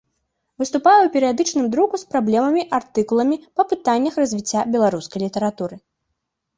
Выступае ў перыядычным друку з праблемамі артыкуламі па пытаннях развіцця беларускай літаратуры.